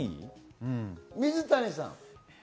水谷さん。